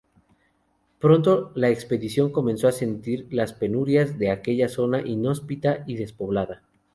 Pronto la expedición comenzó a sentir las penurias de aquella zona inhóspita y despoblada.